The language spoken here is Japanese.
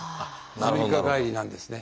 アメリカ帰りなんですね。